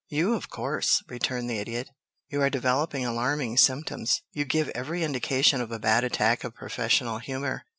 "You, of course," returned the Idiot. "You are developing alarming symptoms. You give every indication of a bad attack of professional humor.